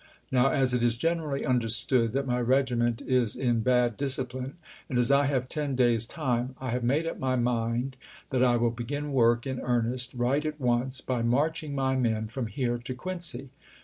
Now, as it is generally understood that my regiment is in bad discipline, and as I have ten days' time, I have made up my mind that I will begin work in earnest, right at once, by marching my men from here to Quincy.